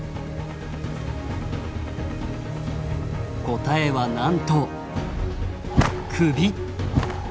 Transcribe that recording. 答えはなんと首！